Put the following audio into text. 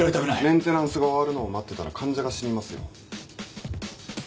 メンテナンスが終わるのを待ってたら患者が死にますよ。